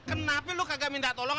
kenapa lu kagak minta tolong